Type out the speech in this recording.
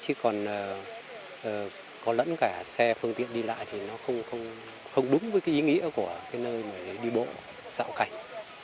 chứ còn có lẫn cả xe phương tiện đi lại thì nó không đúng với ý nghĩa của nơi đi bộ dạo cảnh